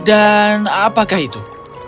dan apakah itu